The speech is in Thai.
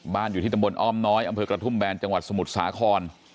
อยู่ที่ตำบลอ้อมน้อยอำเภอกระทุ่มแบนจังหวัดสมุทรสาคร